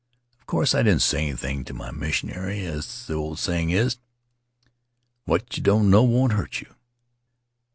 Of course I didn't say anything to my missionary. As the old saying is, 'What you don't know won't hurt you."'